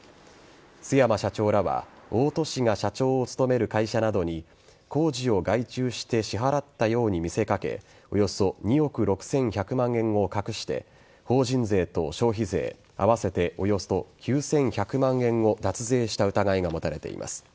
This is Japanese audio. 須山社長らは大戸氏が社長を務める会社などに工事を外注して支払ったように見せかけおよそ２億６１００万円を隠して法人税と消費税合わせておよそ９１００万円を脱税した疑いが持たれています。